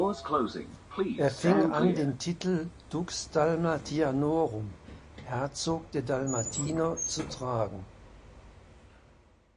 Er fing an den Titel „Dux Dalmatianorum“ (Herzog der Dalmatiner) zu tragen.